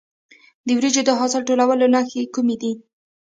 د وریجو د حاصل ټولولو نښې کومې دي؟